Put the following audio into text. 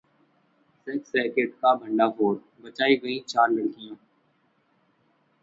sex racket का भंडाफोड़, बचाई गईं चार लड़कियां